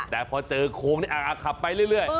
แต่พอเจอโครงนี้ขับไปเรื่อย